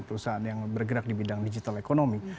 perusahaan yang bergerak di bidang digital economy